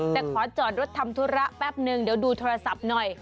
แต่ขอจอดรถทำธุระแป๊บนึงเดี๋ยวดูโทรศัพท์หน่อย